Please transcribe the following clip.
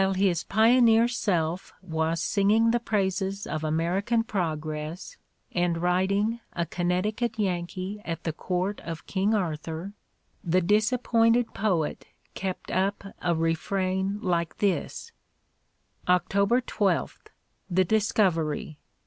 While his pioneer self was singing the praises of American progress and writing "A Connecticut Yankee at the Court of King Arthur," the disappointed poet 194 The Ordeal of Mark Twain kept up a refrain like this :'' October 12, the discovery.